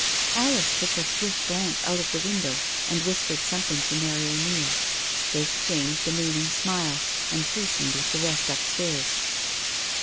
^* Alice took a swift glance out of the window and whispered something to Mary O'Neil. They exchanged a meaning smile and hastened with the rest upstairs.